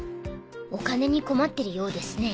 お金に困ってるようですね。